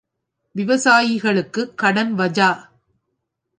விவசாயிகளுக்குக் கடன் வஜா!